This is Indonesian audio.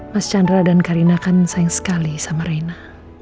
mas chandra dan karina kan sayang sekali sama reina